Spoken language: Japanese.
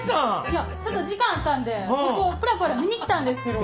いやちょっと時間あったんでここぷらぷら見に来たんですわ。